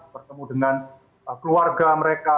bertemu dengan keluarga mereka